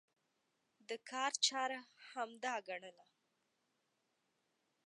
د کار چاره همدا ګڼله.